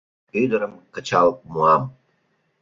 Ӱдырым кычал муам!»